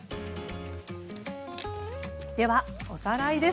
ではおさらいです。